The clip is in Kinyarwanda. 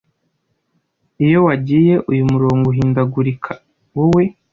Iyo wagiye. Uyu murongo uhindagurika, wowe